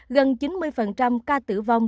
gần chín mươi ca tử vong